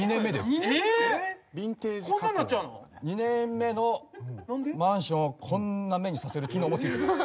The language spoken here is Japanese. ２年目のマンションをこんな目にさせる機能も付いています。